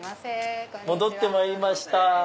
戻ってまいりました。